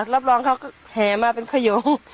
รับรองเขาก็แห่มาเป็นขยง